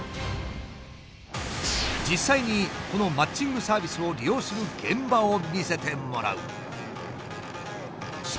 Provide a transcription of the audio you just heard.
実際にこのマッチングサービスを利用する現場を見せてもらう。